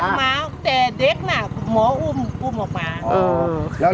ขนโทษมาแต่เด็กน่ะหมออุ้มออกมา